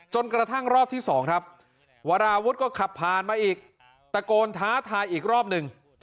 กระทั่งรอบที่๒ครับวาราวุฒิก็ขับผ่านมาอีกตะโกนท้าทายอีกรอบหนึ่ง